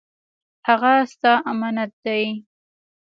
هغه ستا امانت دی